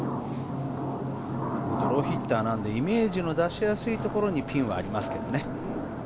ドローヒッターなんで、イメージを出しやすいところにピンもありますけどね。